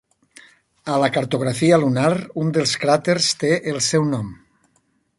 A la cartografia lunar un dels cràters té el seu nom.